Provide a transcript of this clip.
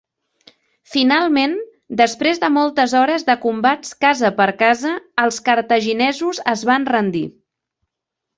Finalment, després de moltes hores de combats casa per casa, els cartaginesos es van rendir.